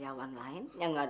aku bilang keluar